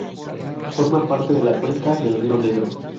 Forma parte de la cuenca del Río Negro.